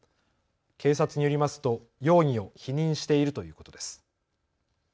警察によりますと容疑を否認しているということです。